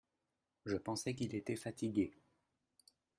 Je pensais qu’il était fatigué